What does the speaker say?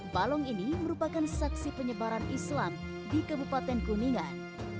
balong ini merupakan saksi penyebaran islam di kabupaten kuningan